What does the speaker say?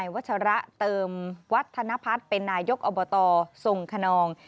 วัชระเติมวัฒนพัฒน์เป็นนายกอบตทรงขนอง